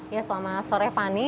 ya selamat sore fani